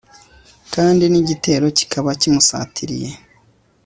kandi n'igitero kikaba kimusatiriye